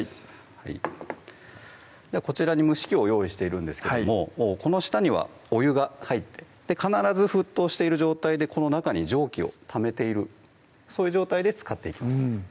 はいこちらに蒸し器を用意しているんですけどもこの下にはお湯が入って必ず沸騰している状態でこの中に蒸気をためているそういう状態で使っていきます